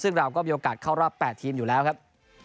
ซึ่งเราก็มีโอกาสเข้ารอบ๘ทีมอยู่แล้วครับ